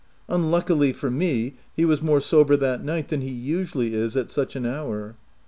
Unluckily for me, he was more sober that night than he usually is at such an hour.